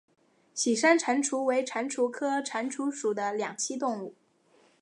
喜山蟾蜍为蟾蜍科蟾蜍属的两栖动物。